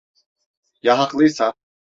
Ya haklıysa?